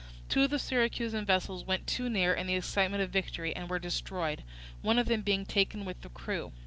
Two of the Syracusan vessels went too near in the excitement of victory and were destroyed, one of them being taken with its crew.